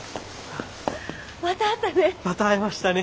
また会ったね。